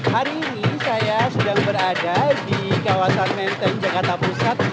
hari ini saya sedang berada di kawasan menteng jakarta pusat